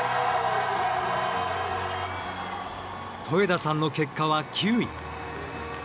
戸枝さんの結果は９位。